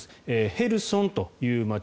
ヘルソンという街